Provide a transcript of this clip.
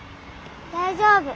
大丈夫。